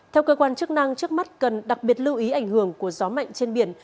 theo cơ quan chức năng trước mắt cần đặc biệt lưu ý ảnh hưởng của gió mạnh trên biển